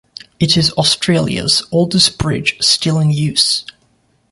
It is Australia's oldest bridge still in use.